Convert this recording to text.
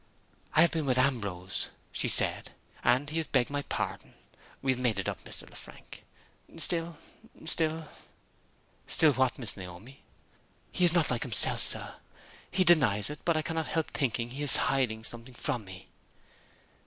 "I have been with Ambrose," she said, "and he has begged my pardon. We have made it up, Mr. Lefrank. Still still " "Still what, Miss Naomi?" "He is not like himself, sir. He denies it; but I can't help thinking he is hiding something from me."